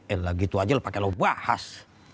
eh begitu saja pakai lo bahas